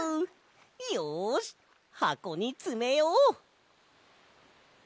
よしはこにつめよう！